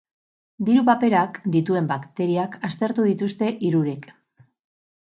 Diru-paperak dituen bakteriak aztertu dituzte hirurek.